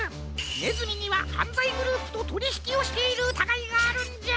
ねずみにははんざいグループととりひきをしているうたがいがあるんじゃ！